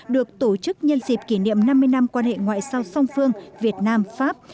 được tổ chức nhân dịp kỷ niệm năm mươi năm quan hệ ngoại giao song phương việt nam pháp